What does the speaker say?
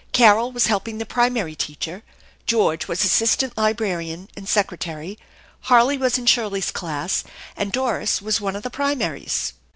Carol was helping the primary teacher, George was assistant librarian and secretary, Harley was in Shirley's class, and Doris was one of the primaries.